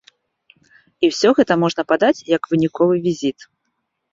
І ўсё гэта можна падаць як выніковы візіт.